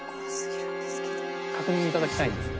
確認いただきたいんですが。